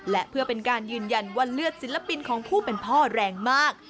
และเพื่อเป็นการยืนยันว่าเลือดศิลปินของผู้เป็นพ่อแรงมาก